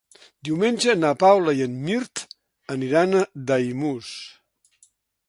Diumenge na Paula i en Mirt aniran a Daimús.